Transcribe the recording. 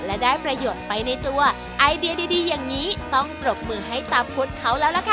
และได้ประโยชน์ไปในตัวไอเดียดีอย่างนี้ต้องปรบมือให้ตาพุทธเขาแล้วล่ะค่ะ